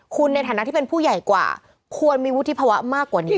คุณในฐานะที่เป็นผู้ใหญ่กว่าควรมีวุฒิภาวะมากกว่านี้